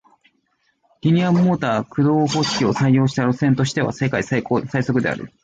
リニアモーター駆動方式を採用した路線としては世界最速である